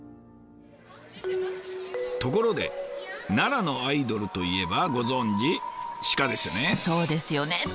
ところで奈良のアイドルといえばご存じ鹿ですよね。